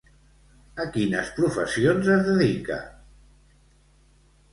A quines professions es dedica?